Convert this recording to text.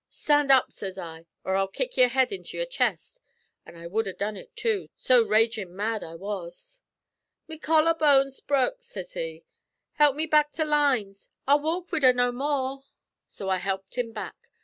'Stand up,' sez I, 'or I'll kick your head into your chest.' An' I wud ha' done ut, too, so ragin' mad I was. "'Me collar bone's bruk,' sez he. 'Help me back to lines. I'll walk wid her no more.' So I helped him back."